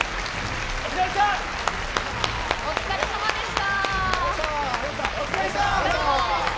お疲れさまでした。